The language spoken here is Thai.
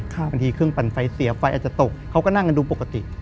บางทีเครื่องปั่นไฟเสียไฟอาจจะตกเขาก็นั่งกันดูปกติ